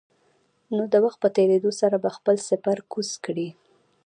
نو د وخت په تېرېدو سره به خپل سپر کوز کړي.